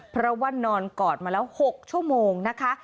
เพราะว่านอนกอดมาแล้ว๖ชั่วโมงนะคะ